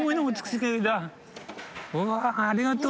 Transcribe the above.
うわありがとう。